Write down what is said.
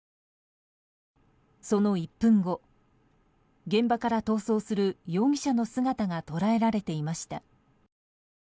その１分後現場から逃走する容疑者の姿が捉えられていました。